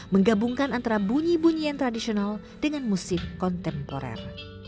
menggabungkan antara bunyi bunyi yang tradisional dengan musik kontemporer